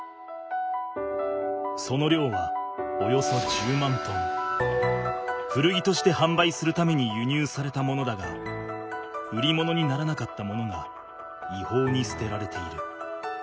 その量は古着としてはんばいするためにゆにゅうされたものだが売り物にならなかったものがいほうに捨てられている。